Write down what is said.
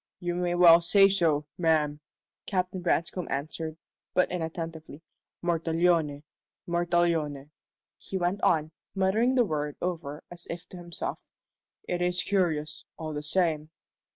"You may well say so, ma'am," Captain Branscome answered, but inattentively. "Mortallone Mortallone," he went on, muttering the word over as if to himself. "It is curious, all the same."